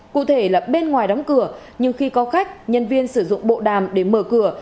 cụ thể là bên ngoài đóng cửa nhưng khi có khách nhân viên sử dụng bộ đàm để mở cửa